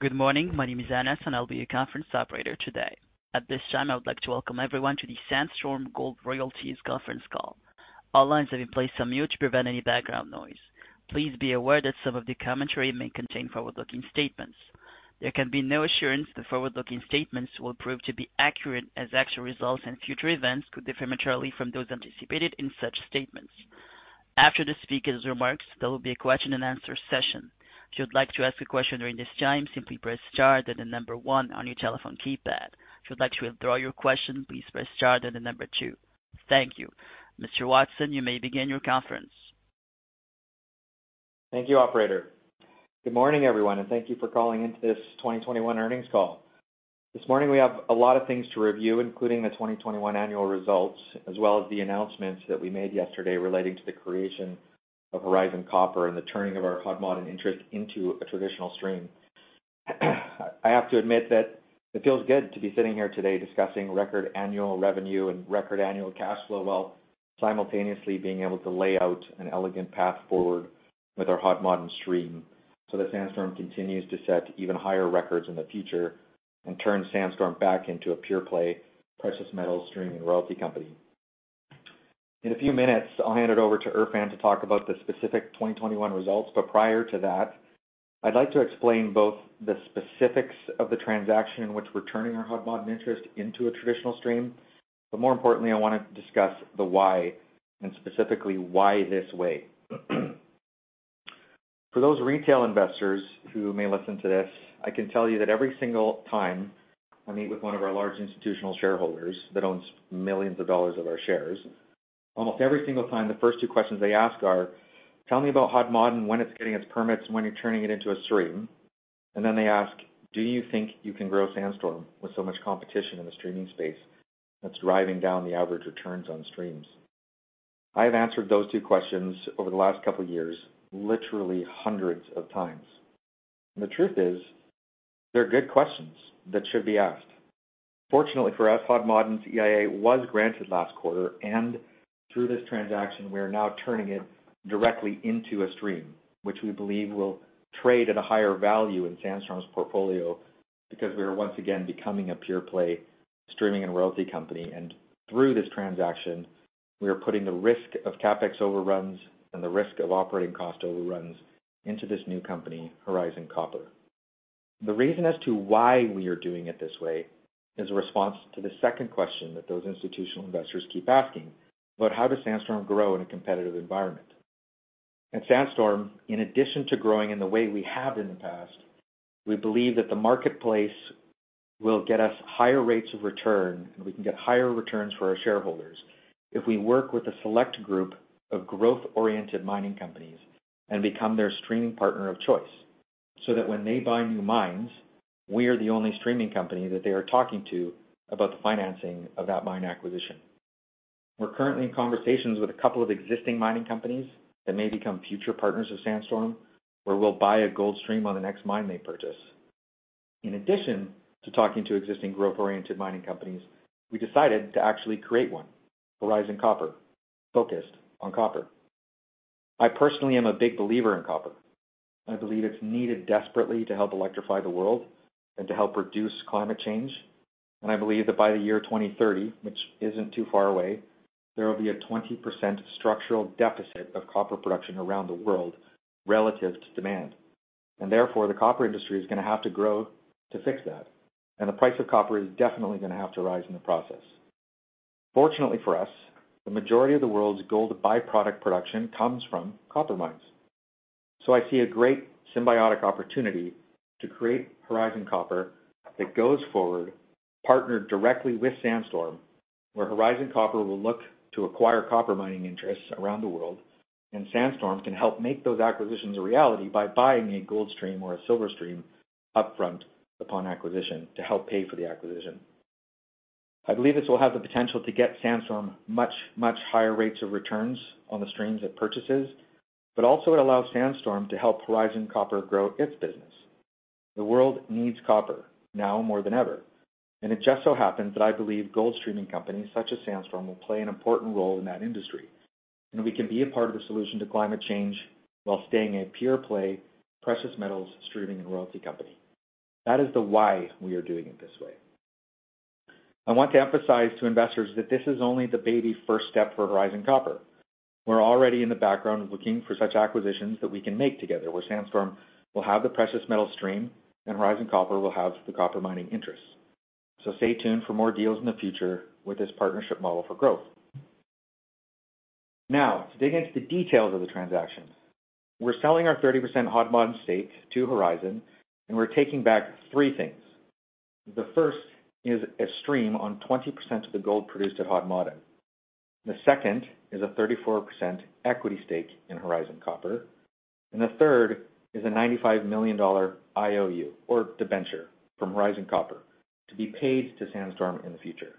Good morning. My name is Anes, and I'll be your conference operator today. At this time, I would like to welcome everyone to the Sandstorm Gold Royalties conference call. All lines have been placed on mute to prevent any background noise. Please be aware that some of the commentary may contain forward-looking statements. There can be no assurance that forward-looking statements will prove to be accurate as actual results and future events could differ materially from those anticipated in such statements. After the speaker's remarks, there will be a question-and-answer session. If you'd like to ask a question during this time, simply press star, then the number one on your telephone keypad. If you'd like to withdraw your question, please press star, then the number two. Thank you. Mr. Watson, you may begin your conference. Thank you, operator. Good morning, everyone, and thank you for calling in to this 2021 earnings call. This morning we have a lot of things to review, including the 2021 annual results, as well as the announcements that we made yesterday relating to the creation of Horizon Copper and the turning of our Hudbay interest into a traditional stream. I have to admit that it feels good to be sitting here today discussing record annual revenue and record annual cash flow, while simultaneously being able to lay out an elegant path forward with our Hudbay stream so that Sandstorm continues to set even higher records in the future and turn Sandstorm back into a pure play, precious metal streaming royalty company. In a few minutes, I'll hand it over to Erfan to talk about the specific 2021 results. Prior to that, I'd like to explain both the specifics of the transaction in which we're turning our Hudbay interest into a traditional stream. More importantly, I want to discuss the why and specifically why this way. For those retail investors who may listen to this, I can tell you that every single time I meet with one of our large institutional shareholders that owns millions of dollars our shares, almost every single time, the first two questions they ask are, "Tell me about Hudbay and when it's getting its permits and when you're turning it into a stream." Then they ask, "Do you think you can grow Sandstorm with so much competition in the streaming space that's driving down the average returns on streams?" I have answered those two questions over the last couple of years, literally hundreds of times. The truth is, they're good questions that should be asked. Fortunately for us, Hudbay's EIA was granted last quarter, and through this transaction, we are now turning it directly into a stream, which we believe will trade at a higher value in Sandstorm's portfolio because we are once again becoming a pure-play streaming and royalty company. Through this transaction, we are putting the risk of CapEx overruns and the risk of operating cost overruns into this new company, Horizon Copper. The reason as to why we are doing it this way is a response to the second question that those institutional investors keep asking about how does Sandstorm grow in a competitive environment? At Sandstorm, in addition to growing in the way we have in the past, we believe that the marketplace will get us higher rates of return, and we can get higher returns for our shareholders if we work with a select group of growth-oriented mining companies and become their streaming partner of choice, so that when they buy new mines, we are the only streaming company that they are talking to about the financing of that mine acquisition. We're currently in conversations with a couple of existing mining companies that may become future partners of Sandstorm, where we'll buy a gold stream on the next mine they purchase. In addition to talking to existing growth-oriented mining companies, we decided to actually create one, Horizon Copper, focused on copper. I personally am a big believer in copper. I believe it's needed desperately to help electrify the world and to help reduce climate change. I believe that by the year 2030, which isn't too far away, there will be a 20% structural deficit of copper production around the world relative to demand. Therefore, the copper industry is going to have to grow to fix that. The price of copper is definitely going to have to rise in the process. Fortunately for us, the majority of the world's gold byproduct production comes from copper mines. I see a great symbiotic opportunity to create Horizon Copper that goes forward, partnered directly with Sandstorm, where Horizon Copper will look to acquire copper mining interests around the world, and Sandstorm can help make those acquisitions a reality by buying a gold stream or a silver stream upfront upon acquisition to help pay for the acquisition. I believe this will have the potential to get Sandstorm much, much higher rates of returns on the streams it purchases, but also it allows Sandstorm to help Horizon Copper grow its business. The world needs copper now more than ever, and it just so happens that I believe gold streaming companies such as Sandstorm will play an important role in that industry. We can be a part of the solution to climate change while staying a pure-play, precious metals streaming and royalty company. That is why we are doing it this way. I want to emphasize to investors that this is only the baby first step for Horizon Copper. We're already in the background looking for such acquisitions that we can make together, where Sandstorm will have the precious metal stream and Horizon Copper will have the copper mining interests. Stay tuned for more deals in the future with this partnership model for growth. Now, to dig into the details of the transaction. We're selling our 30% Hudbay stake to Horizon Copper, and we're taking back three things. The first is a stream on 20% of the gold produced at Hudbay. The second is a 34% equity stake in Horizon Copper. The third is a $95 million IOU or debenture from Horizon Copper to be paid to Sandstorm in the future.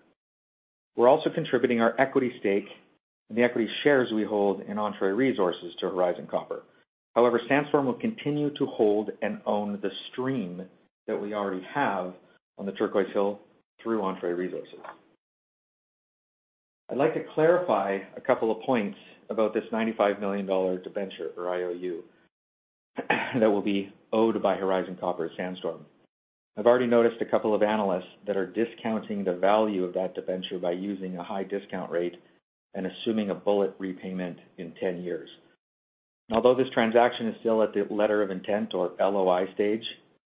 We're also contributing our equity stake and the equity shares we hold in Entrée Resources to Horizon Copper. However, Sandstorm will continue to hold and own the stream that we already have on the Turquoise Hill through Entrée Resources. I'd like to clarify a couple of points about this $95 million debenture or IOU that will be owed by Horizon Copper to Sandstorm. I've already noticed a couple of analysts that are discounting the value of that debenture by using a high discount rate and assuming a bullet repayment in 10 years. Although this transaction is still at the letter of intent or LOI stage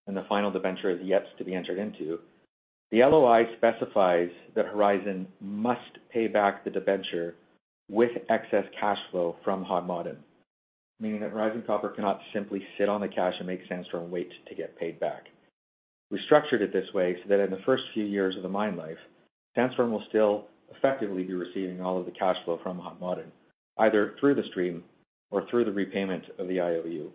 and the final debenture is yet to be entered into, the LOI specifies that Horizon Copper must pay back the debenture with excess cash flow from Hod Maden, meaning that Horizon Copper cannot simply sit on the cash and make Sandstorm wait to get paid back. We structured it this way so that in the first few years of the mine life, Sandstorm will still effectively be receiving all of the cash flow from Hod Maden, either through the stream or through the repayment of the IOU.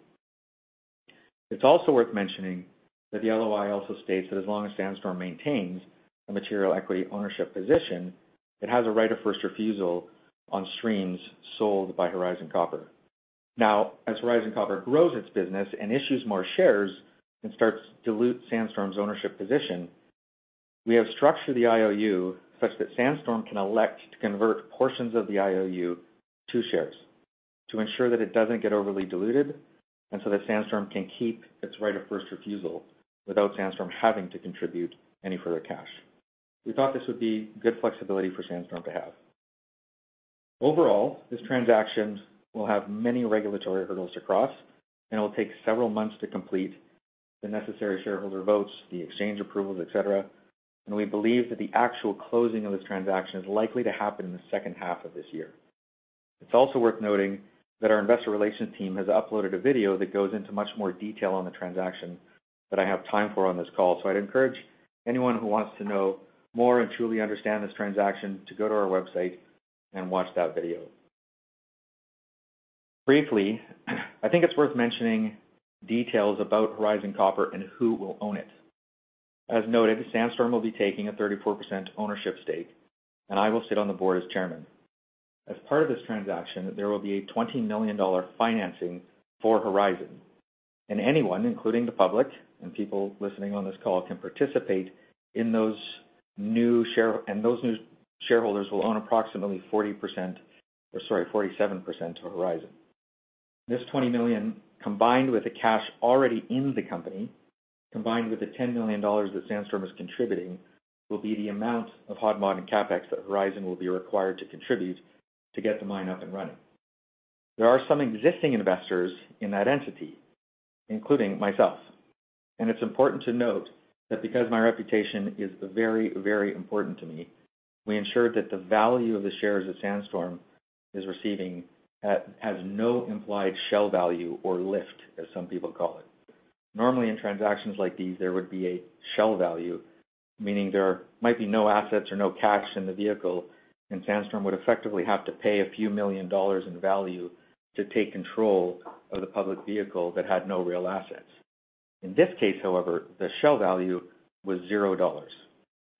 It's also worth mentioning that the LOI also states that as long as Sandstorm maintains a material equity ownership position, it has a right of first refusal on streams sold by Horizon Copper. Now, as Horizon Copper grows its business and issues more shares and starts to dilute Sandstorm's ownership position, we have structured the IOU such that Sandstorm can elect to convert portions of the IOU to shares to ensure that it doesn't get overly diluted, and so that Sandstorm can keep its right of first refusal without Sandstorm having to contribute any further cash. We thought this would be good flexibility for Sandstorm to have. Overall, this transaction will have many regulatory hurdles to cross, and it will take several months to complete the necessary shareholder votes, the exchange approvals, etc. We believe that the actual closing of this transaction is likely to happen in the second half of this year. It's also worth noting that our investor relations team has uploaded a video that goes into much more detail on the transaction than I have time for on this call. I'd encourage anyone who wants to know more and truly understand this transaction to go to our website and watch that video. Briefly, I think it's worth mentioning details about Horizon Copper and who will own it. As noted, Sandstorm will be taking a 34% ownership stake, and I will sit on the board as chairman. As part of this transaction, there will be a $20 million financing for Horizon, and anyone, including the public and people listening on this call, can participate in those new share... Those new shareholders will own approximately 40% or, sorry, 47% of Horizon. This $20 million, combined with the cash already in the company, combined with the $10 million that Sandstorm is contributing, will be the amount of Hod Maden CapEx that Horizon will be required to contribute to get the mine up and running. There are some existing investors in that entity, including myself, and it's important to note that because my reputation is very, very important to me, we ensured that the value of the shares that Sandstorm is receiving has no implied shell value or lift, as some people call it. Normally, in transactions like these, there would be a shell value, meaning there might be no assets or no cash in the vehicle, and Sandstorm would effectively have to pay a few million dollars in value to take control of the public vehicle that had no real assets. In this case, however, the shell value was $0,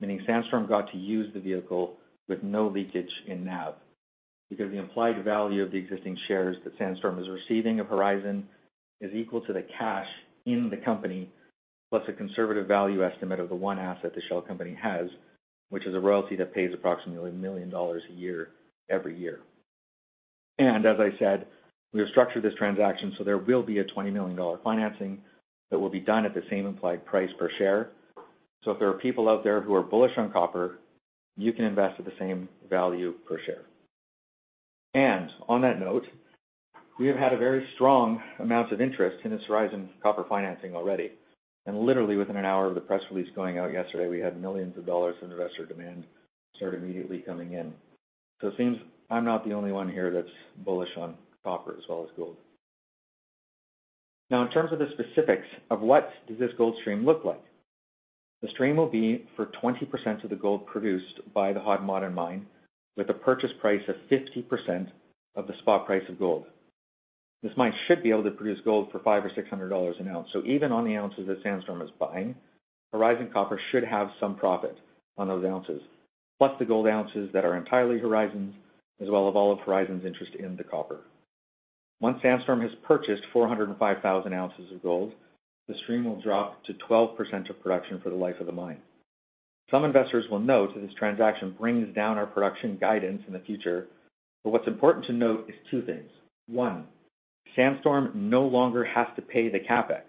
meaning Sandstorm got to use the vehicle with no leakage in NAV, because the implied value of the existing shares that Sandstorm is receiving of Horizon is equal to the cash in the company, plus a conservative value estimate of the one asset the shell company has, which is a royalty that pays approximately $1 million a year every year. As I said, we have structured this transaction, so there will be a $20 million financing that will be done at the same implied price per share. If there are people out there who are bullish on copper, you can invest at the same value per share. On that note, we have had a very strong amount of interest in this Horizon Copper financing already. Literally within an hour of the press release going out yesterday, we had millions of dollars in investor demand start immediately coming in. It seems I'm not the only one here that's bullish on copper as well as gold. Now in terms of the specifics of what does this gold stream look like? The stream will be for 20% of the gold produced by the Hod Maden Mine, with a purchase price of 50% of the spot price of gold. This mine should be able to produce gold for $500-$600 an ounce. Even on the ounces that Sandstorm is buying, Horizon Copper should have some profit on those ounces, plus the gold ounces that are entirely Horizon's, as well as all of Horizon's interest in the copper. Once Sandstorm has purchased 405,000 ounces of gold, the stream will drop to 12% of production for the life of the mine. Some investors will note that this transaction brings down our production guidance in the future, but what's important to note is two things. One, Sandstorm no longer has to pay the CapEx.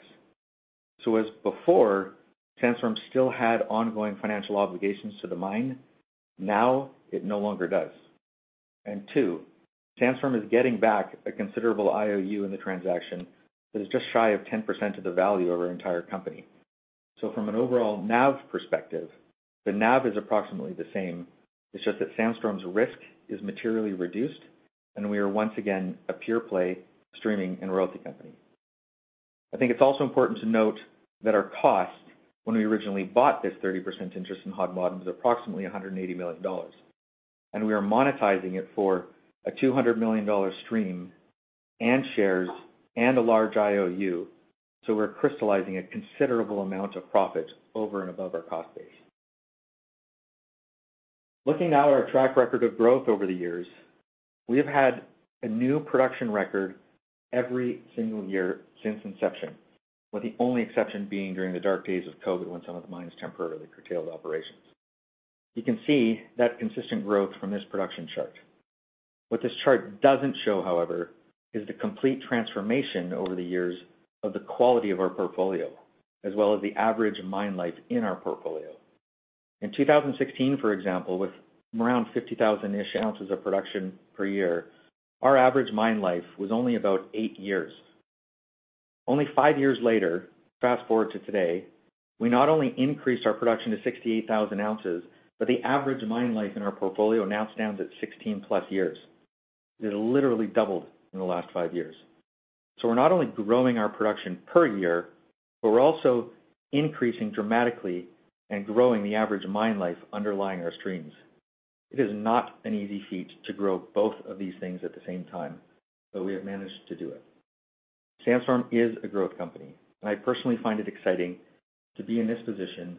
As before, Sandstorm still had ongoing financial obligations to the mine. Now it no longer does. Two, Sandstorm is getting back a considerable IOU in the transaction that is just shy of 10% of the value of our entire company. From an overall NAV perspective, the NAV is approximately the same. It's just that Sandstorm's risk is materially reduced, and we are once again a pure play streaming and royalty company. I think it's also important to note that our cost when we originally bought this 30% interest in Hod Maden was approximately $180 million, and we are monetizing it for a $200 million stream and shares and a large IOU. So we're crystallizing a considerable amount of profit over and above our cost base. Looking now at our track record of growth over the years. We have had a new production record every single year since inception, with the only exception being during the dark days of COVID, when some of the mines temporarily curtailed operations. You can see that consistent growth from this production chart. What this chart doesn't show, however, is the complete transformation over the years of the quality of our portfolio, as well as the average mine life in our portfolio. In 2016, for example, with around 50,000-ish ounces of production per year, our average mine life was only about eight years. Only five years later, fast-forward to today, we not only increased our production to 68,000 ounces, but the average mine life in our portfolio now stands at 16+ years. It literally doubled in the last five years. We're not only growing our production per year, but we're also increasing dramatically and growing the average mine life underlying our streams. It is not an easy feat to grow both of these things at the same time, but we have managed to do it. Sandstorm is a growth company, and I personally find it exciting to be in this position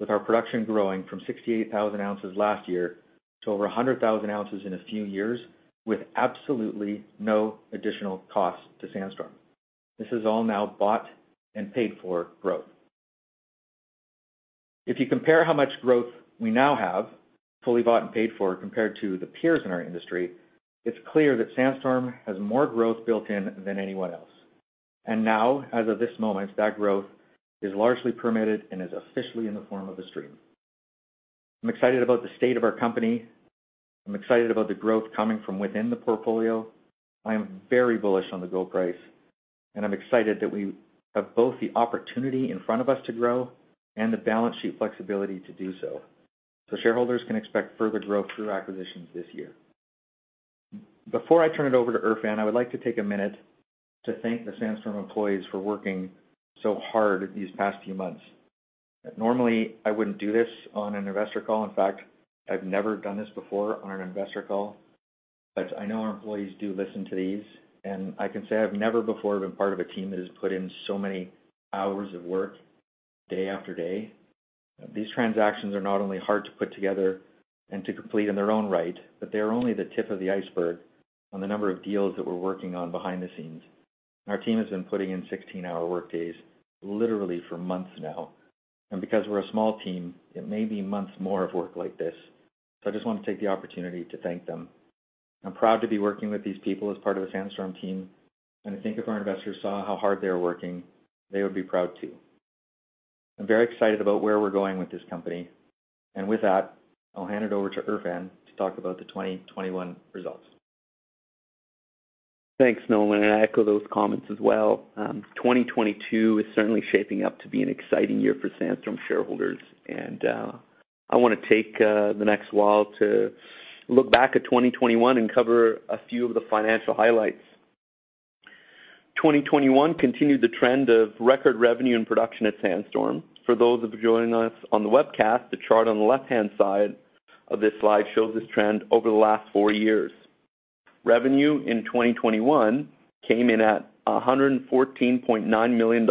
with our production growing from 68,000 ounces last year to over 100,000 ounces in a few years with absolutely no additional cost to Sandstorm. This is all now bought and paid for growth. If you compare how much growth we now have, fully bought and paid for, compared to the peers in our industry, it's clear that Sandstorm has more growth built in than anyone else. Now, as of this moment, that growth is largely permitted and is officially in the form of a stream. I'm excited about the state of our company. I'm excited about the growth coming from within the portfolio. I am very bullish on the gold price, and I'm excited that we have both the opportunity in front of us to grow and the balance sheet flexibility to do so. Shareholders can expect further growth through acquisitions this year. Before I turn it over to Erfan, I would like to take a minute to thank the Sandstorm employees for working so hard these past few months. Normally, I wouldn't do this on an investor call. In fact, I've never done this before on an investor call, but I know our employees do listen to these, and I can say I've never before been part of a team that has put in so many hours of work day after day. These transactions are not only hard to put together and to complete in their own right, but they are only the tip of the iceberg on the number of deals that we're working on behind the scenes. Our team has been putting in 16-hour work days literally for months now, and because we're a small team, it may be months more of work like this. I just want to take the opportunity to thank them. I'm proud to be working with these people as part of the Sandstorm team, and I think if our investors saw how hard they are working, they would be proud, too. I'm very excited about where we're going with this company. With that, I'll hand it over to Erfan to talk about the 2021 results. Thanks, Nolan, and I echo those comments as well. 2022 is certainly shaping up to be an exciting year for Sandstorm shareholders, and I want to take the next while to look back at 2021 and cover a few of the financial highlights. 2021 continued the trend of record revenue and production at Sandstorm. For those of you joining us on the webcast, the chart on the left-hand side of this slide shows this trend over the last four years. Revenue in 2021 came in at $114.9 million,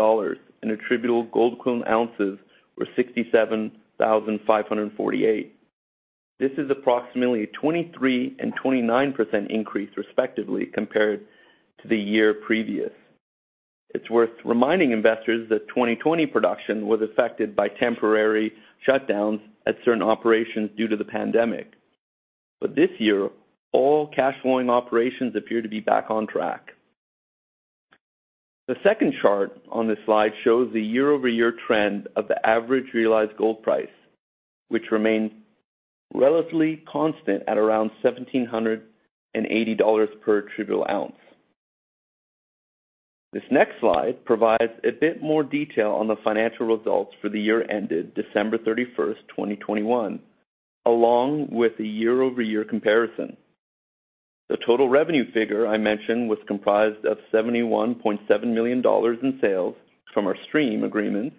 and attributable gold equivalent ounces were 67,548. This is approximately a 23% and 29% increase, respectively, compared to the year previous. It's worth reminding investors that 2020 production was affected by temporary shutdowns at certain operations due to the pandemic. This year, all cash flowing operations appear to be back on track. The second chart on this slide shows the year-over-year trend of the average realized gold price, which remained relatively constant at around $1,780 per attributable ounce. This next slide provides a bit more detail on the financial results for the year ended December 31st, 2021, along with a year-over-year comparison. The total revenue figure I mentioned was comprised of $71.7 million in sales from our stream agreements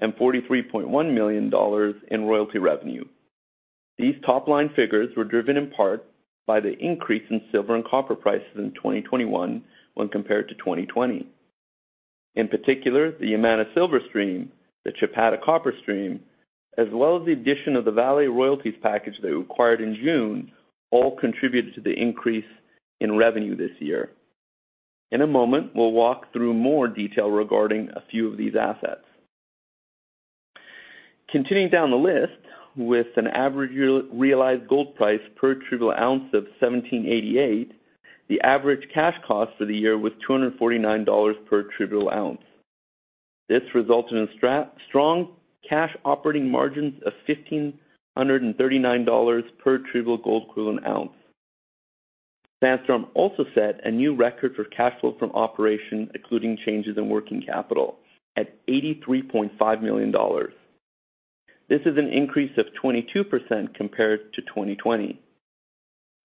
and $43.1 million in royalty revenue. These top-line figures were driven in part by the increase in silver and copper prices in 2021 when compared to 2020. In particular, the Yamana Silver Stream, the Chapada Copper Stream, as well as the addition of the Vale Royalties package that we acquired in June, all contributed to the increase in revenue this year. In a moment, we'll walk through more detail regarding a few of these assets. Continuing down the list with an average realized gold price per attributable ounce of $1,788, the average cash cost for the year was $249 per attributable ounce. This resulted in strong cash operating margins of $1,539 per attributable gold equivalent ounce. Sandstorm also set a new record for cash flow from operations, including changes in working capital at $83.5 million. This is an increase of 22% compared to 2020.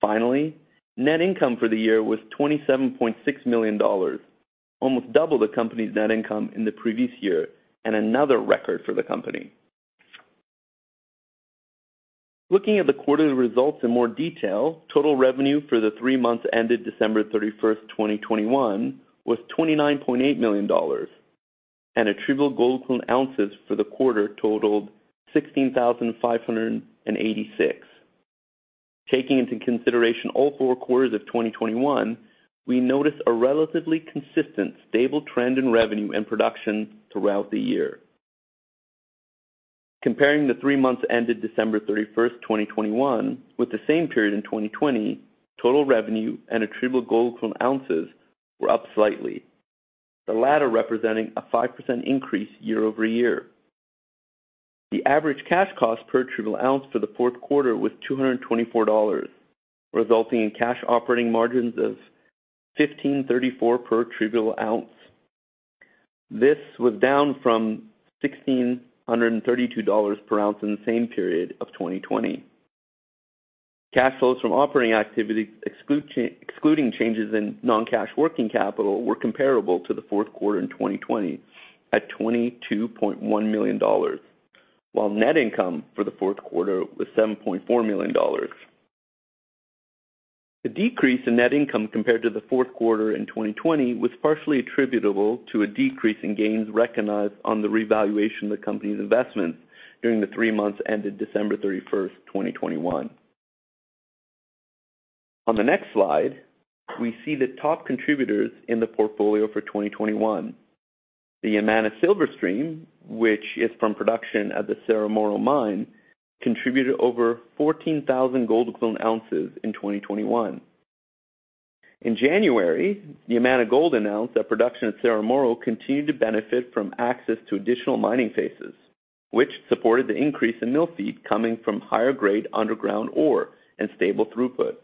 Finally, net income for the year was $27.6 million, almost double the company's net income in the previous year, and another record for the company. Looking at the quarterly results in more detail, total revenue for the three months ended December 31st, 2021 was $29.8 million. Attributable gold equivalent ounces for the quarter totaled 16,586. Taking into consideration all four quarters of 2021, we notice a relatively consistent stable trend in revenue and production throughout the year. Comparing the three months ended December 31st, 2021 with the same period in 2020, total revenue and attributable gold equivalent ounces were up slightly, the latter representing a 5% increase year-over-year. The average cash cost per attributable ounce for the fourth quarter was $224, resulting in cash operating margins of $1,534 per attributable ounce. This was down from $1,632 per ounce in the same period of 2020. Cash flows from operating activity excluding changes in non-cash working capital were comparable to the fourth quarter in 2020 at $22.1 million, while net income for the fourth quarter was $7.4 million. The decrease in net income compared to the fourth quarter in 2020 was partially attributable to a decrease in gains recognized on the revaluation of the company's investments during the three months ended December 31st, 2021. On the next slide, we see the top contributors in the portfolio for 2021. The Yamana Silver Stream, which is from production at the Cerro Moro Mine, contributed over 14,000 gold equivalent ounces in 2021. In January, Yamana Gold announced that production at Cerro Moro continued to benefit from access to additional mining faces, which supported the increase in mill feed coming from higher grade underground ore and stable throughput.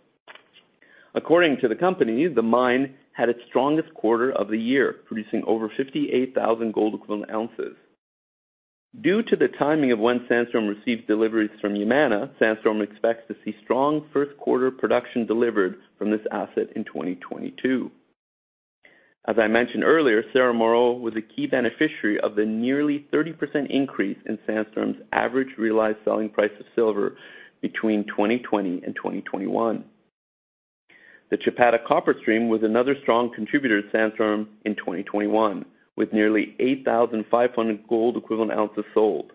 According to the company, the mine had its strongest quarter of the year, producing over 58,000 gold equivalent ounces. Due to the timing of when Sandstorm received deliveries from Yamana, Sandstorm expects to see strong first quarter production delivered from this asset in 2022. As I mentioned earlier, Cerro Moro was a key beneficiary of the nearly 30% increase in Sandstorm's average realized selling price of silver between 2020 and 2021. The Chapada Copper Stream was another strong contributor to Sandstorm in 2021, with nearly 8,500 gold equivalent ounces sold.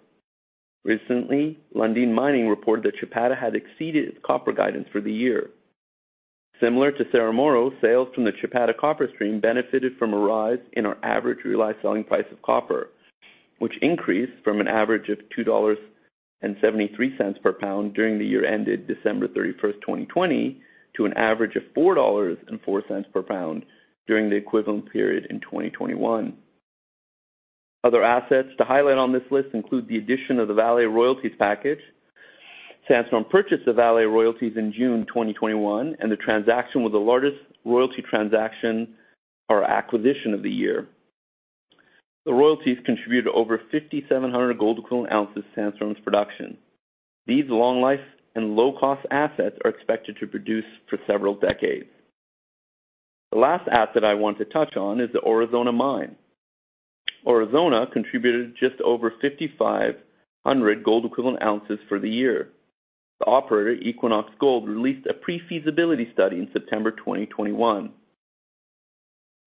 Recently, Lundin Mining reported that Chapada had exceeded its copper guidance for the year. Similar to Cerro Moro, sales from the Chapada Copper Stream benefited from a rise in our average realized selling price of copper, which increased from an average of $2.73 per pound during the year ended December 31st, 2020, to an average of $4.04 per pound during the equivalent period in 2021. Other assets to highlight on this list include the addition of the Vale Royalties package. Sandstorm purchased the Vale Royalties in June 2021, and the transaction was the largest royalty transaction or acquisition of the year. The royalties contributed over 5,700 gold equivalent ounces to Sandstorm's production. These long-life and low-cost assets are expected to produce for several decades. The last asset I want to touch on is the Aurizona Mine. Aurizona contributed just over 5,500 gold equivalent ounces for the year. The operator, Equinox Gold, released a pre-feasibility study in September 2021.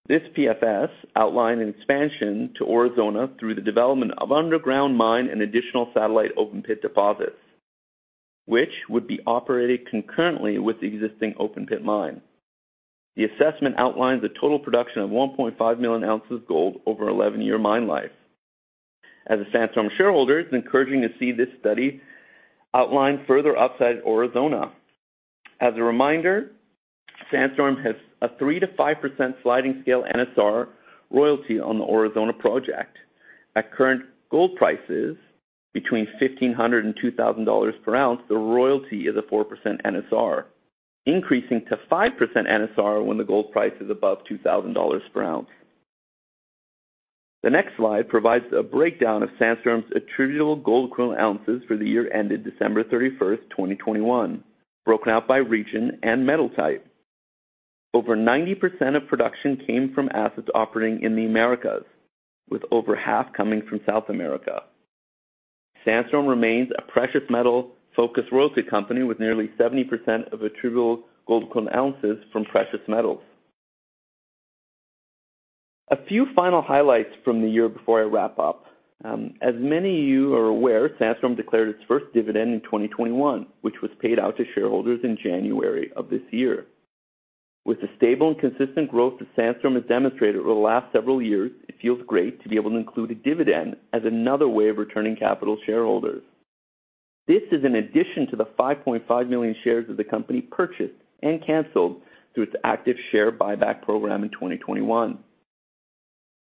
This PFS outlined an expansion to Aurizona through the development of underground mine and additional satellite open pit deposits, which would be operated concurrently with the existing open pit mine. The assessment outlines a total production of 1.5 million ounces gold over 11-year mine life. As a Sandstorm shareholder, it's encouraging to see this study outline further upside at Aurizona. As a reminder, Sandstorm has a 3%-5% sliding scale NSR royalty on the Aurizona project. At current gold prices between $1,500 per ounce and $2,000 per ounce, the royalty is a 4% NSR, increasing to 5% NSR when the gold price is above $2,000 per ounce. The next slide provides a breakdown of Sandstorm's attributable gold equivalent ounces for the year ended December 31st, 2021, broken out by region and metal type. Over 90% of production came from assets operating in the Americas, with over half coming from South America. Sandstorm remains a precious metal-focused royalty company with nearly 70% of attributable gold equivalent ounces from precious metals. A few final highlights from the year before I wrap up. As many of you are aware, Sandstorm declared its first dividend in 2021, which was paid out to shareholders in January of this year. With the stable and consistent growth that Sandstorm has demonstrated over the last several years, it feels great to be able to include a dividend as another way of returning capital to shareholders. This is in addition to the 5.5 million shares that the company purchased and canceled through its active share buyback program in 2021.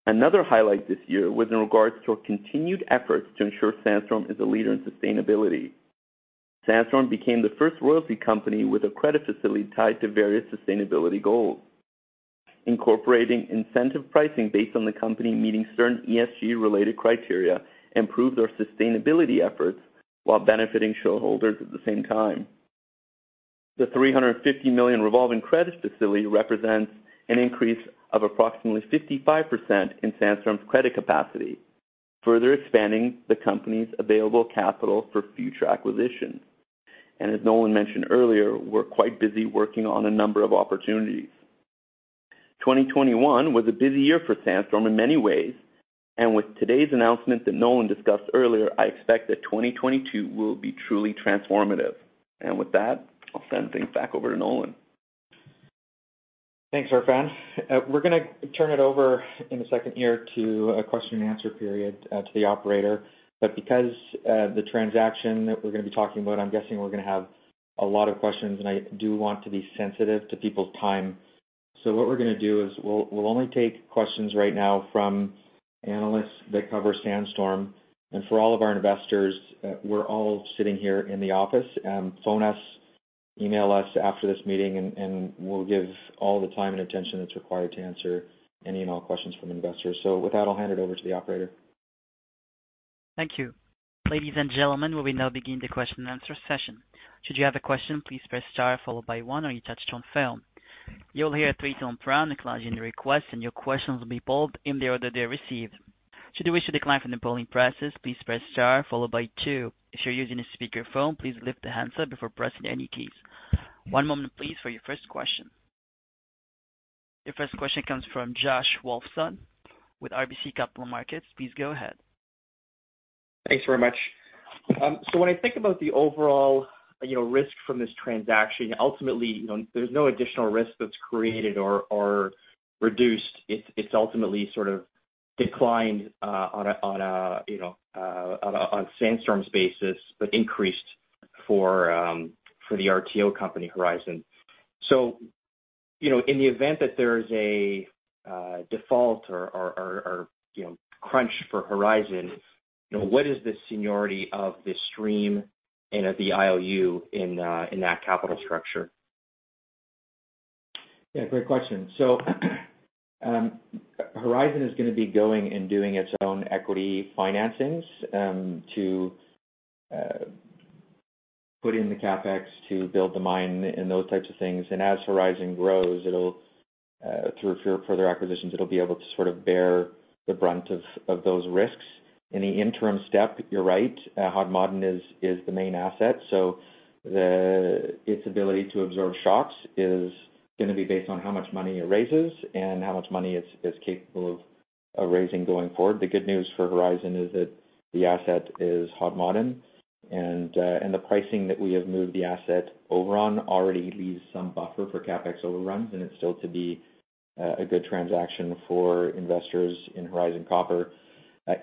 Another highlight this year was in regards to our continued efforts to ensure Sandstorm is a leader in sustainability. Sandstorm became the first royalty company with a credit facility tied to various sustainability goals. Incorporating incentive pricing based on the company meeting certain ESG-related criteria improved our sustainability efforts while benefiting shareholders at the same time. The $350 million revolving credit facility represents an increase of approximately 55% in Sandstorm's credit capacity, further expanding the company's available capital for future acquisitions. As Nolan mentioned earlier, we're quite busy working on a number of opportunities. 2021 was a busy year for Sandstorm in many ways, and with today's announcement that Nolan discussed earlier, I expect that 2022 will be truly transformative. With that, I'll send things back over to Nolan. Thanks, Erfan. We're gonna turn it over in a second here to a question and answer period to the operator. Because the transaction that we're gonna be talking about, I'm guessing we're gonna have a lot of questions, and I do want to be sensitive to people's time. What we're gonna do is we'll only take questions right now from analysts that cover Sandstorm. For all of our investors, we're all sitting here in the office. Phone us, email us after this meeting, and we'll give all the time and attention that's required to answer any and all questions from investors. With that, I'll hand it over to the operator. Thank you. Ladies and gentlemen, we will now begin the question and answer session. Should you have a question, please press star followed by one on your touchtone phone. You'll hear a three-tone prompt acknowledging the request, and your questions will be polled in the order they're received. Should you wish to decline from the polling process, please press star followed by two. If you're using a speaker phone, please lift the handset before pressing any keys. One moment, please, for your first question. Your first question comes from Josh Wolfson with RBC Capital Markets. Please go ahead. Thanks very much. When I think about the overall, you know, risk from this transaction, ultimately, you know, there's no additional risk that's created or reduced. It's ultimately sort of declined on Sandstorm's basis, but increased for the RTO company Horizon. In the event that there is a default or crunch for Horizon, you know, what is the seniority of this stream and of the IOU in that capital structure? Yeah, great question. Horizon is gonna be going and doing its own equity financings to put in the CapEx to build the mine and those types of things. As Horizon grows, it'll, through further acquisitions, be able to sort of bear the brunt of those risks. In the interim step, you're right, Hod Maden is the main asset. Its ability to absorb shocks is gonna be based on how much money it raises and how much money it's capable of raising going forward. The good news for Horizon is that the asset is Hod Maden, and the pricing that we have moved the asset over on already leaves some buffer for CapEx overruns, and it's still to be a good transaction for investors in Horizon Copper.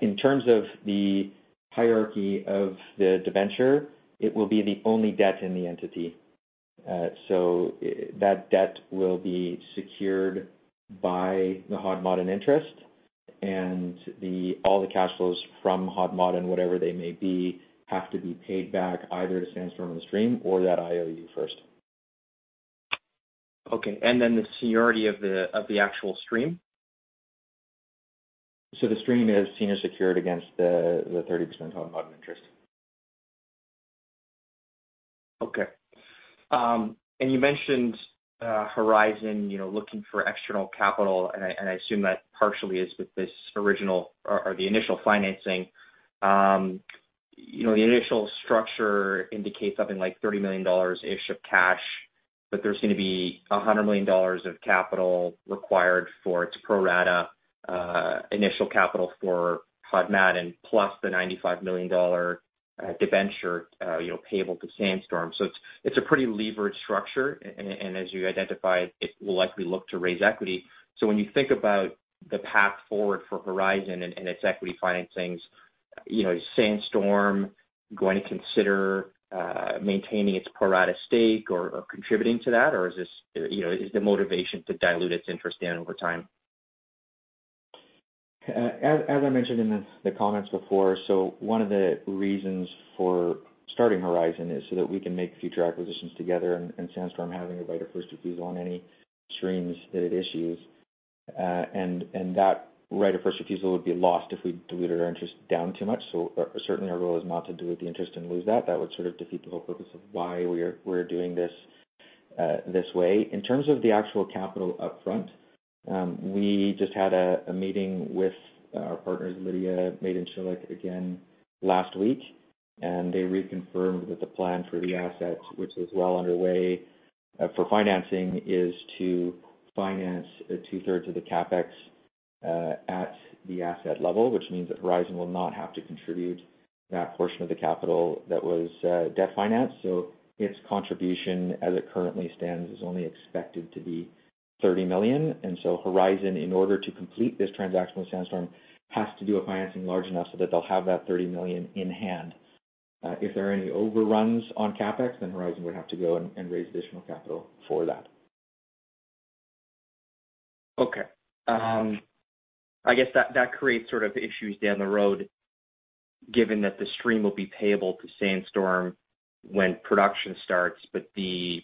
In terms of the hierarchy of the debenture, it will be the only debt in the entity. That debt will be secured by the Hod Maden interest and all the cash flows from Hod Maden, whatever they may be, have to be paid back either to Sandstorm and the stream or that IOU first. Okay. The seniority of the actual stream? The stream is senior secured against the 30% Hod Maden interest. Okay. You mentioned Horizon, you know, looking for external capital, and I assume that partially is with this original or the initial financing. You know, the initial structure indicates something like $30 million ish of cash, but there's gonna be $100 million of capital required for its pro rata initial capital for Hod Maden, plus the $95 million dollar debenture, you know, payable to Sandstorm. It's a pretty leveraged structure. As you identified, it will likely look to raise equity. When you think about the path forward for Horizon and its equity financings, you know, is Sandstorm going to consider maintaining its pro rata stake or contributing to that? Or is this, you know, is the motivation to dilute its interest down over time? As I mentioned in the comments before, one of the reasons for starting Horizon is so that we can make future acquisitions together and Sandstorm having a right of first refusal on any streams that it issues. That right of first refusal would be lost if we diluted our interest down too much. Certainly our role is not to dilute the interest and lose that. That would sort of defeat the whole purpose of why we're doing this way. In terms of the actual capital upfront, we just had a meeting with our partners, Lidya Madencilik again last week, and they reconfirmed that the plan for the asset, which is well underway, for financing, is to finance 2/3 of the CapEx at the asset level, which means that Horizon will not have to contribute that portion of the capital that was debt financed. Its contribution, as it currently stands, is only expected to be $30 million. Horizon, in order to complete this transaction with Sandstorm, has to do a financing large enough so that they'll have that $30 million in hand. If there are any overruns on CapEx, then Horizon would have to go and raise additional capital for that. Okay. I guess that creates sort of issues down the road, given that the stream will be payable to Sandstorm when production starts, but the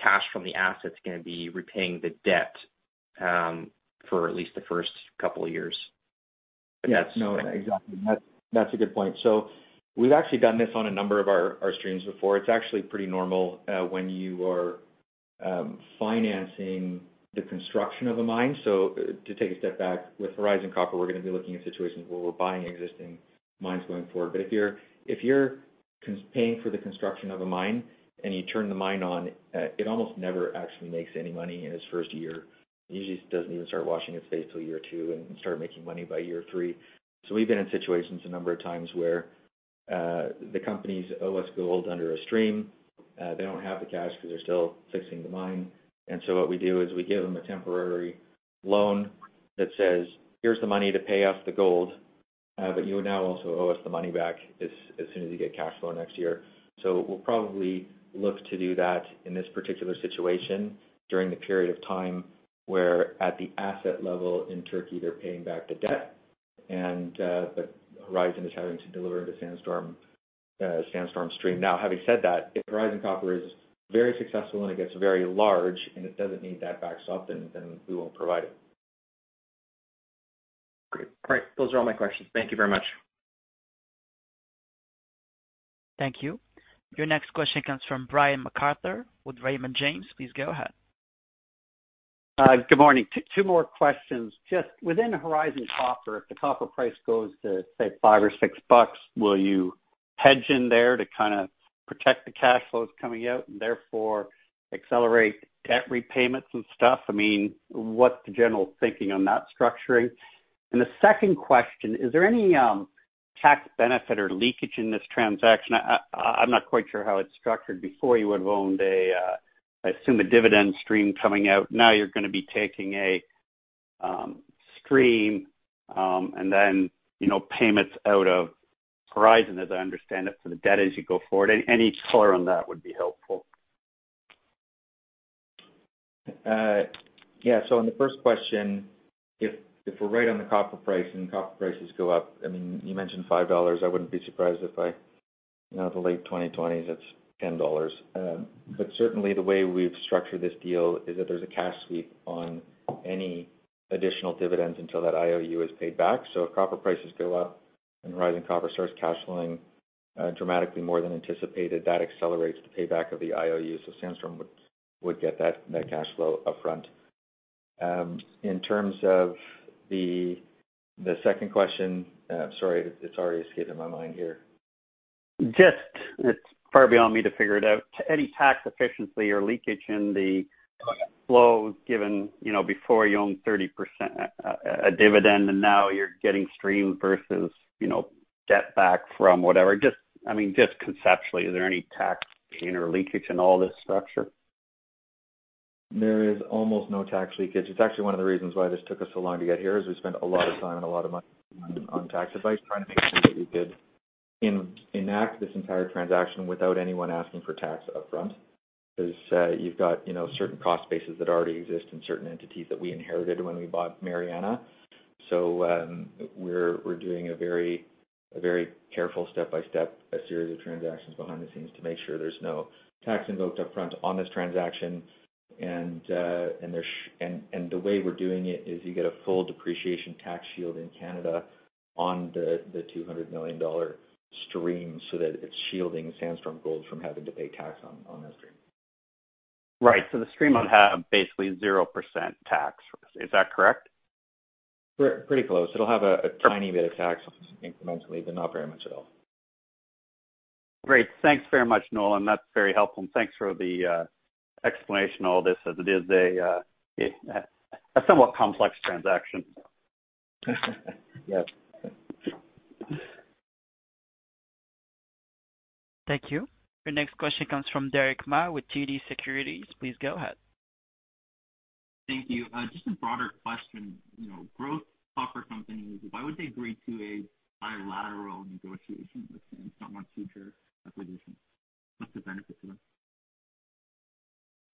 cash from the asset's gonna be repaying the debt for at least the first couple of years. Yes. No, exactly. That's a good point. We've actually done this on a number of our streams before. It's actually pretty normal when you are financing the construction of a mine. To take a step back, with Horizon Copper, we're going to be looking at situations where we're buying existing mines going forward. If you're paying for the construction of a mine and you turn the mine on, it almost never actually makes any money in its first year. It usually doesn't even start washing its face till year two and start making money by year three. We've been in situations a number of times where the companies owe us gold under a stream. They don't have the cash because they're still fixing the mine. What we do is we give them a temporary loan that says, "Here's the money to pay off the gold, but you would now also owe us the money back as soon as you get cash flow next year." We'll probably look to do that in this particular situation during the period of time where at the asset level in Turkey, they're paying back the debt and, but Horizon is having to deliver the Sandstorm stream. Now, having said that, if Horizon Copper is very successful and it gets very large and it doesn't need that backstop, then we won't provide it. Great. All right. Those are all my questions. Thank you very much. Thank you. Your next question comes from Brian MacArthur with Raymond James. Please go ahead. Good morning. Two more questions. Just within Horizon Copper, if the copper price goes to, say, $5 or $6, will you hedge in there to kinda protect the cash flows coming out and therefore accelerate debt repayments and stuff? I mean, what's the general thinking on that structuring? The second question, is there any tax benefit or leakage in this transaction? I'm not quite sure how it's structured. Before you would have owned a, I assume a dividend stream coming out. Now you're gonna be taking a stream, and then, you know, payments out of Horizon, as I understand it, for the debt as you go forward. Any color on that would be helpful. On the first question, if we're right on the copper price and copper prices go up, I mean, you mentioned $5. I wouldn't be surprised if by, you know, the late 2020s, it's $10. But certainly the way we've structured this deal is that there's a cash sweep on any additional dividends until that IOU is paid back. If copper prices go up and Horizon Copper starts cash flowing dramatically more than anticipated, that accelerates the payback of the IOUs. Sandstorm would get that cash flow upfront. In terms of the second question, sorry, it's already escaped my mind here. Just, it's far beyond me to figure it out. Any tax efficiency or leakage in the flows given, you know, before you own 30%, a dividend and now you're getting stream versus, you know, debt back from whatever. Just, I mean, just conceptually, is there any tax gain or leakage in all this structure? There is almost no tax leakage. It's actually one of the reasons why this took us so long to get here, is we spent a lot of time and a lot of money on tax advice trying to make sure that we could enact this entire transaction without anyone asking for tax upfront. Because you've got, you know, certain cost bases that already exist and certain entities that we inherited when we bought Mariana. We're doing a very careful step-by-step series of transactions behind the scenes to make sure there's no tax invoked upfront on this transaction. The way we're doing it is you get a full depreciation tax shield in Canada on the $200 million stream so that it's shielding Sandstorm Gold from having to pay tax on that stream. Right. The stream will have basically 0% tax. Is that correct? Pretty close. It'll have a tiny bit of tax incrementally, but not very much at all. Great. Thanks very much, Nolan. That's very helpful. Thanks for the explanation of all this as it is a somewhat complex transaction. Yep. Thank you. Your next question comes from Derick Ma with TD Securities. Please go ahead. Thank you. Just a broader question. You know, growth copper companies, why would they agree to a bilateral negotiation with Sandstorm on future acquisitions? What's the benefit to them?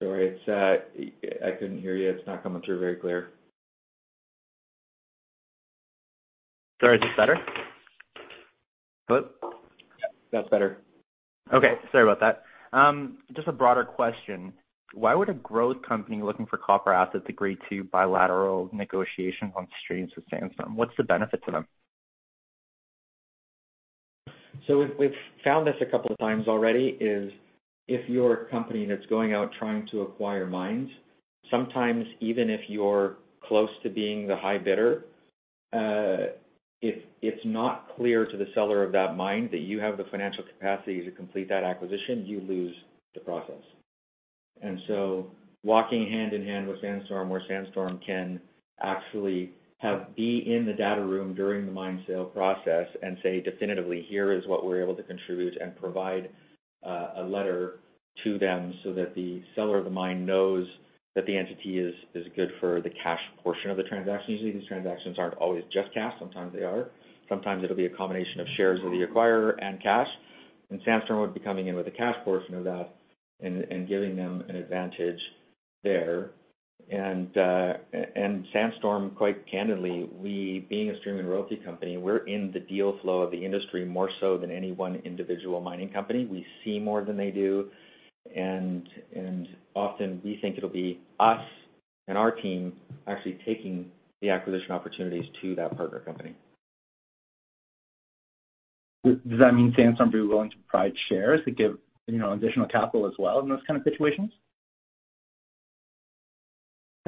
Sorry. It's, I couldn't hear you. It's not coming through very clear. Sorry. Is this better? Good. That's better. Okay. Sorry about that. Just a broader question. Why would a growth company looking for copper assets agree to bilateral negotiations on streams with Sandstorm? What's the benefit to them? We've found this a couple of times already, if you're a company that's going out trying to acquire mines, sometimes even if you're close to being the high bidder, if it's not clear to the seller of that mine that you have the financial capacity to complete that acquisition, you lose the process. Walking hand in hand with Sandstorm, where Sandstorm can actually be in the data room during the mine sale process and say definitively, "Here is what we're able to contribute," and provide a letter to them so that the seller of the mine knows that the entity is good for the cash portion of the transaction. Usually, these transactions aren't always just cash. Sometimes they are. Sometimes it'll be a combination of shares of the acquirer and cash. Sandstorm would be coming in with a cash portion of that and giving them an advantage there. Sandstorm, quite candidly, we being a stream and royalty company, we're in the deal flow of the industry more so than any one individual mining company. We see more than they do. Often we think it'll be us and our team actually taking the acquisition opportunities to that partner company. Does that mean Sandstorm be willing to provide shares to give, you know, additional capital as well in those kind of situations?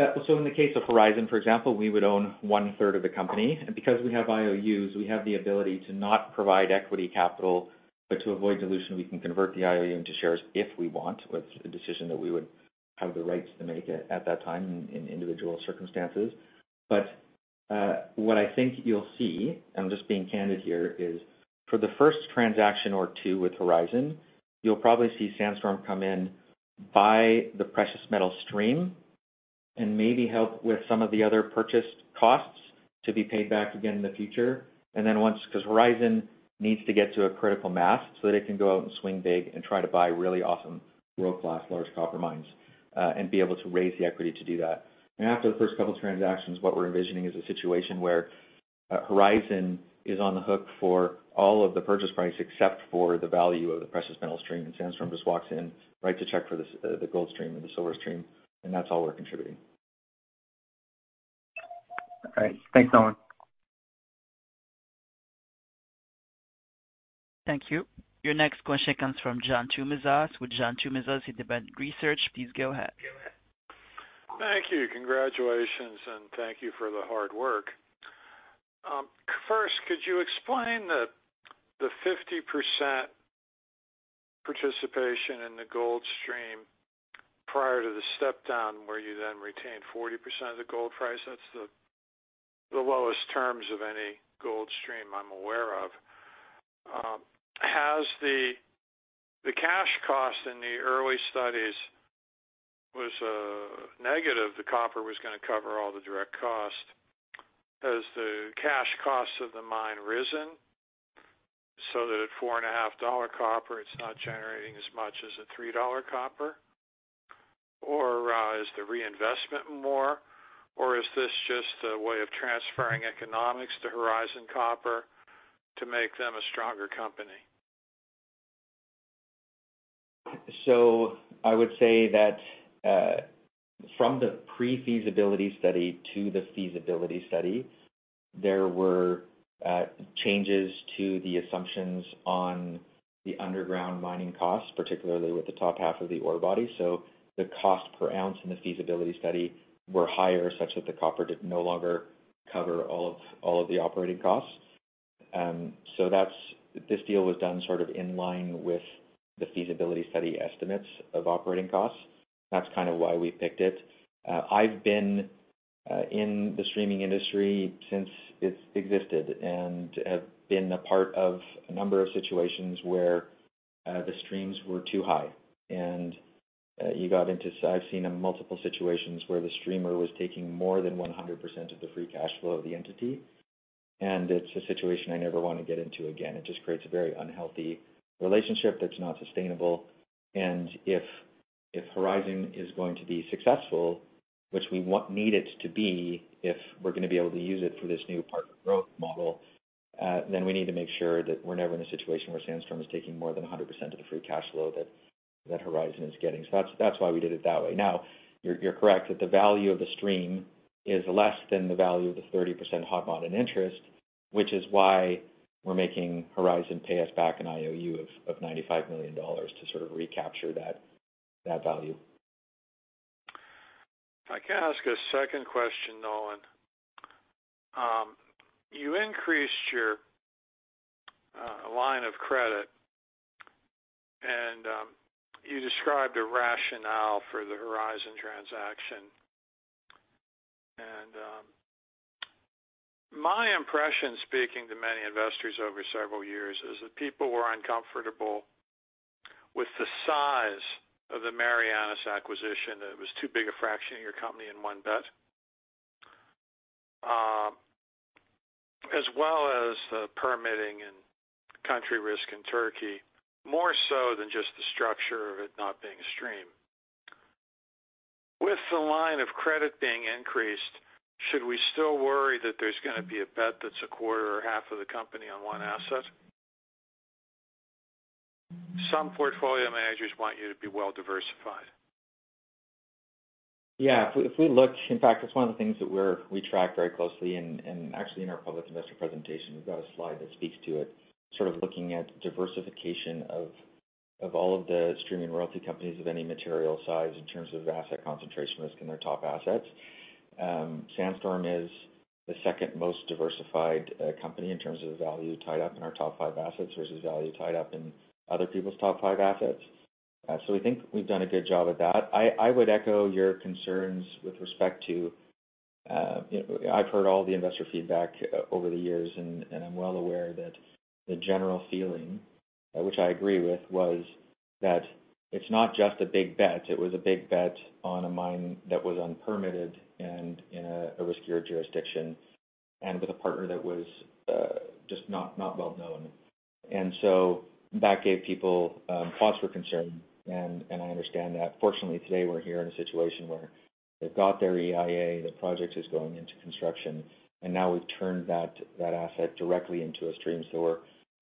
Yeah. In the case of Horizon, for example, we would own 1/3 of the company. Because we have IOUs, we have the ability to not provide equity capital, but to avoid dilution, we can convert the IOU into shares if we want, with a decision that we would have the rights to make at that time in individual circumstances. What I think you'll see, I'm just being candid here, is for the first transaction or two with Horizon, you'll probably see Sandstorm come in, buy the precious metal stream, and maybe help with some of the other purchase costs to be paid back again in the future. 'cause Horizon needs to get to a critical mass so that it can go out and swing big and try to buy really awesome world-class large copper mines, and be able to raise the equity to do that. After the first couple of transactions, what we're envisioning is a situation where, Horizon is on the hook for all of the purchase price except for the value of the precious metal stream, and Sandstorm just walks in, writes a check for this, the gold stream and the silver stream, and that's all we're contributing. All right. Thanks, Nolan. Thank you. Your next question comes from John Tumazos with John Tumazos Very Independent Research. Please go ahead. Thank you. Congratulations, and thank you for the hard work. First, could you explain the 50% participation in the gold stream prior to the step-down, where you then retained 40% of the gold price? That's the lowest terms of any gold stream I'm aware of. Has the cash cost in the early studies was negative, the copper was gonna cover all the direct costs. Has the cash costs of the mine risen so that at $4.50 copper, it's not generating as much as a $3 copper? Or is the reinvestment more? Or is this just a way of transferring economics to Horizon Copper to make them a stronger company? I would say that from the Pre-Feasibility Study to the Feasibility Study, there were changes to the assumptions on the underground mining costs, particularly with the top half of the ore body. The cost per ounce in the Feasibility Study were higher, such that the copper did no longer cover all of the operating costs. That's. This deal was done sort of in line with the Feasibility Study estimates of operating costs. That's kind of why we picked it. I've been in the streaming industry since it's existed, and have been a part of a number of situations where the streams were too high, and you got into. I've seen multiple situations where the streamer was taking more than 100% of the free cash flow of the entity, and it's a situation I never want to get into again. It just creates a very unhealthy relationship that's not sustainable. If Horizon is going to be successful, which we need it to be if we're gonna be able to use it for this new partner growth model, then we need to make sure that we're never in a situation where Sandstorm is taking more than 100% of the free cash flow that Horizon is getting. So that's why we did it that way. Now, you're correct that the value of the stream is less than the value of the 30% Hod Maden interest, which is why we're making Horizon pay us back an IOU of $95 million to sort of recapture that value. If I can ask a second question, Nolan. You increased your line of credit, and you described a rationale for the Horizon transaction. My impression, speaking to many investors over several years, is that people were uncomfortable with the size of the Mariana acquisition, that it was too big a fraction of your company in one bet, as well as the permitting and country risk in Turkey, more so than just the structure of it not being a stream. With the line of credit being increased, should we still worry that there's gonna be a bet that's a quarter or half of the company on one asset? Some portfolio managers want you to be well-diversified. Yeah. If we look. In fact, it's one of the things that we track very closely, and actually, in our public investor presentation, we've got a slide that speaks to it, sort of looking at diversification of all of the streaming royalty companies of any material size in terms of asset concentration risk in their top assets. Sandstorm is the second most diversified company in terms of value tied up in our top five assets versus value tied up in other people's top five assets. We think we've done a good job at that. I would echo your concerns with respect to you know. I've heard all the investor feedback over the years, and I'm well aware that the general feeling, which I agree with, was that it's not just a big bet, it was a big bet on a mine that was unpermitted and in a riskier jurisdiction, and with a partner that was just not well known. That gave people cause for concern, and I understand that. Fortunately, today we're here in a situation where they've got their EIA, the project is going into construction, and now we've turned that asset directly into a stream.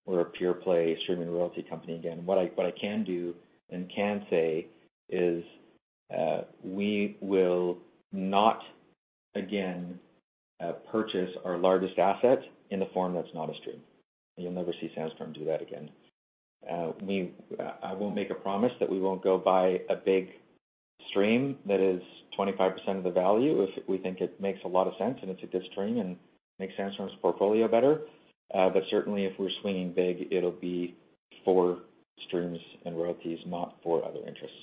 We're a pure play streaming royalty company again. What I can do and can say is, we will not again purchase our largest asset in the form that's not a stream. You'll never see Sandstorm do that again. I won't make a promise that we won't go buy a big stream that is 25% of the value if we think it makes a lot of sense, and it's a good stream and makes Sandstorm's portfolio better. Certainly, if we're swinging big, it'll be for streams and royalties, not for other interests.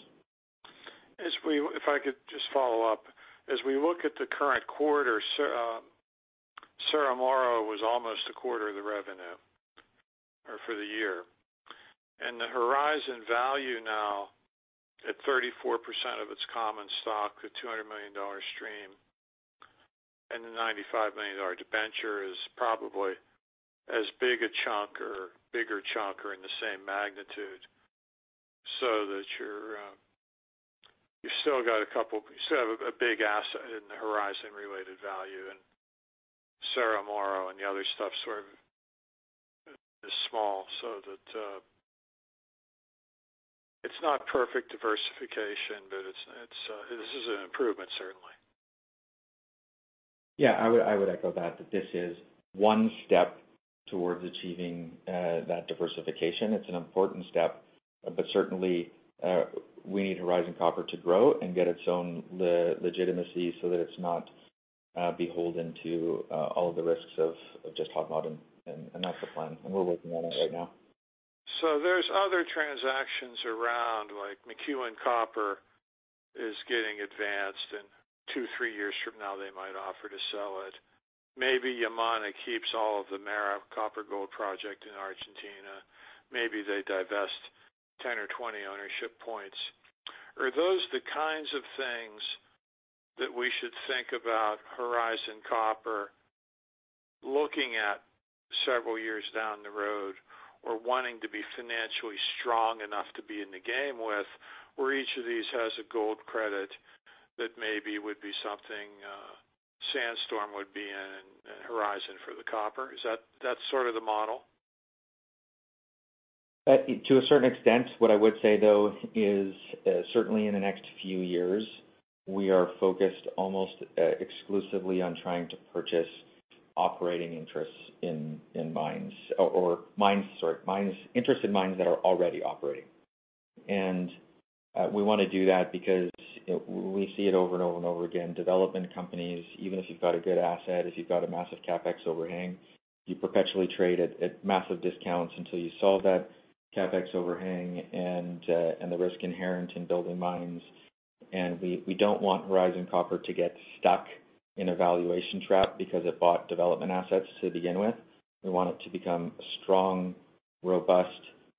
If I could just follow up. As we look at the current quarter, Cerro Moro was almost a quarter of the revenue or for the year. The Horizon value now at 34% of its common stock, the $200 million stream, and the $95 million debenture is probably as big a chunk or bigger chunk or in the same magnitude, so that you still have a big asset in the Horizon related value and Cerro Moro and the other stuff sort of is small so that it's not perfect diversification, but this is an improvement, certainly. Yeah, I would echo that this is one step towards achieving that diversification. It's an important step, but certainly we need Horizon Copper to grow and get its own legitimacy so that it's not beholden to all of the risks of just Hod Maden. That's the plan, and we're working on it right now. There's other transactions around, like McEwen Copper is getting advanced, and two to three years from now, they might offer to sell it. Maybe Yamana keeps all of the MARA copper-gold project in Argentina. Maybe they divest 10 ownershio points or 20 ownership points. Are those the kinds of things that we should think about Horizon Copper looking at several years down the road or wanting to be financially strong enough to be in the game with, where each of these has a gold credit that maybe would be something Sandstorm would be in and Horizon for the copper? Is that sort of the model? To a certain extent. What I would say, though, is certainly in the next few years, we are focused almost exclusively on trying to purchase operating interests in mines or interests in mines that are already operating. We wanna do that because, you know, we see it over and over and over again, development companies, even if you've got a good asset, if you've got a massive CapEx overhang, you perpetually trade at massive discounts until you solve that CapEx overhang and the risk inherent in building mines. We don't want Horizon Copper to get stuck in a valuation trap because it bought development assets to begin with. We want it to become a strong, robust,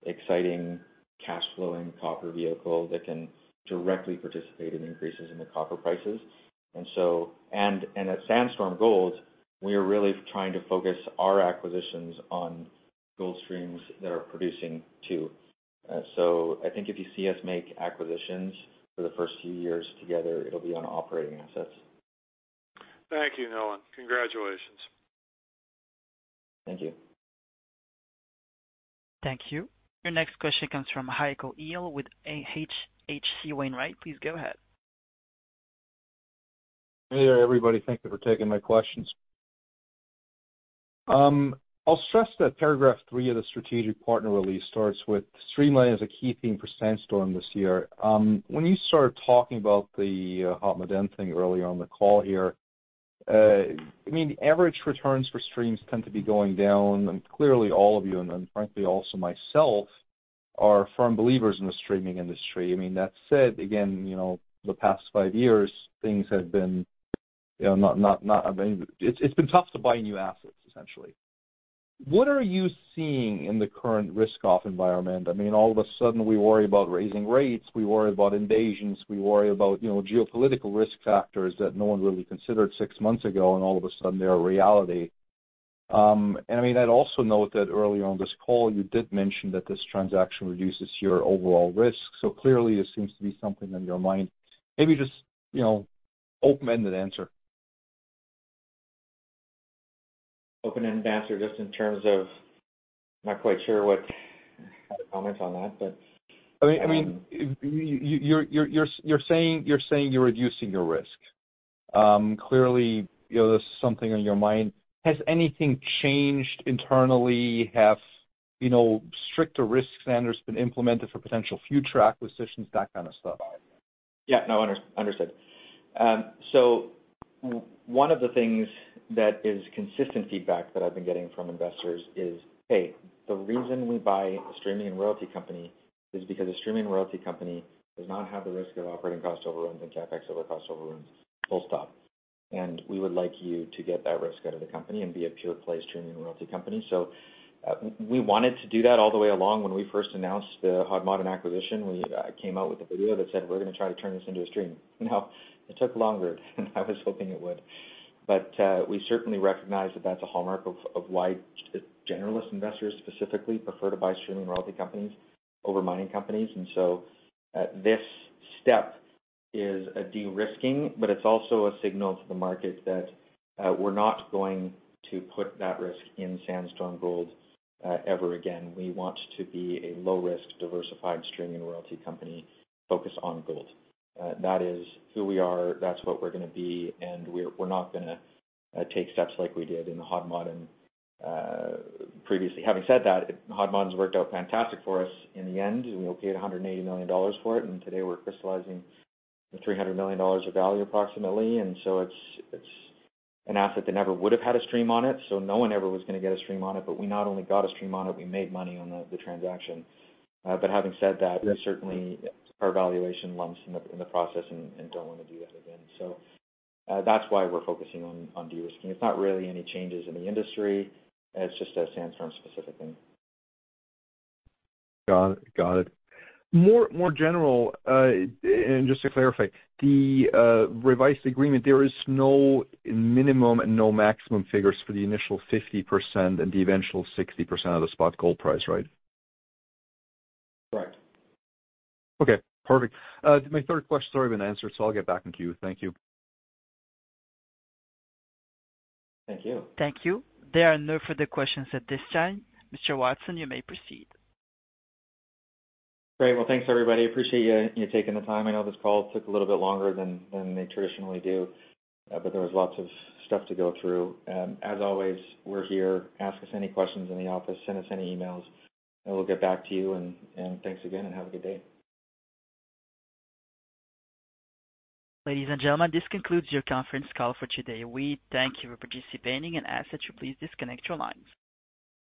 exciting, cash-flowing copper vehicle that can directly participate in increases in the copper prices. At Sandstorm Gold, we are really trying to focus our acquisitions on gold streams that are producing, too. I think if you see us make acquisitions for the first few years together, it'll be on operating assets. Thank you, Nolan. Congratulations. Thank you. Thank you. Your next question comes from Heiko Ihle with H.C. Wainwright. Please go ahead. Hey there, everybody. Thank you for taking my questions. I'll stress that paragraph three of the strategic partner release starts with, "Streamlining is a key theme for Sandstorm this year." When you started talking about the Hod Maden thing earlier on the call here, I mean, average returns for streams tend to be going down. Clearly, all of you, and then frankly, also myself, are firm believers in the streaming industry. I mean, that said, again, you know, the past five years, things have been, you know, not. It's been tough to buy new assets, essentially. What are you seeing in the current risk-off environment? I mean, all of a sudden, we worry about raising rates, we worry about invasions, we worry about, you know, geopolitical risk factors that no one really considered six months ago, and all of a sudden they're a reality. I mean, I'd also note that earlier on this call, you did mention that this transaction reduces your overall risk. Clearly, this seems to be something on your mind. Maybe just, you know, open-ended answer. Open-ended answer, just in terms of not quite sure what to comment on that, but, I mean, you're saying you're reducing your risk. Clearly, you know, there's something on your mind. Has anything changed internally? You know, have stricter risk standards been implemented for potential future acquisitions? That kind of stuff. Yeah, no, understood. One of the things that is consistent feedback that I've been getting from investors is, "Hey, the reason we buy a streaming royalty company is because a streaming royalty company does not have the risk of operating cost overruns and CapEx overruns, full stop. We would like you to get that risk out of the company and be a pure play streaming royalty company." We wanted to do that all the way along. When we first announced the Hod Maden acquisition, we came out with a video that said, "We're gonna try to turn this into a stream." Now, it took longer than I was hoping it would, but we certainly recognize that that's a hallmark of why generalist investors specifically prefer to buy streaming royalty companies over mining companies. This step is a de-risking, but it's also a signal to the market that we're not going to put that risk in Sandstorm Gold ever again. We want to be a low risk, diversified streaming royalty company focused on gold. That is who we are, that's what we're gonna be, and we're not gonna take steps like we did in the Hod Maden previously. Having said that, Hod Maden's worked out fantastic for us in the end. We paid $180 million for it, and today we're crystallizing $300 million of value, approximately. It's an asset that never would have had a stream on it, so no one ever was gonna get a stream on it. But we not only got a stream on it, we made money on the transaction. Having said that, we certainly, our valuation lumps in the process and don't wanna do that again. That's why we're focusing on de-risking. It's not really any changes in the industry. It's just a Sandstorm specific thing. Got it. More general, and just to clarify, the revised agreement, there is no minimum and no maximum figures for the initial 50% and the eventual 60% of the spot gold price, right? Correct. Okay, perfect. My third question's already been answered, so I'll get back to you. Thank you. Thank you. Thank you. There are no further questions at this time. Mr. Watson, you may proceed. Great. Well, thanks, everybody. Appreciate you taking the time. I know this call took a little bit longer than they traditionally do. But there was lots of stuff to go through. As always, we're here. Ask us any questions in the office, send us any emails, and we'll get back to you. Thanks again, and have a good day. Ladies and gentlemen, this concludes your conference call for today. We thank you for participating and ask that you please disconnect your lines.